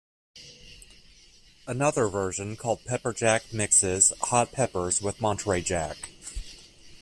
Another version called pepper jack mixes hot peppers with Monterey Jack.